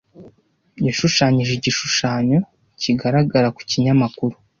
yashushanyije igishushanyo - kigaragara ku kinyamakuru